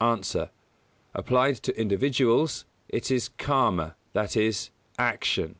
_ A. Applied to individuals, it is Karma, that is, action.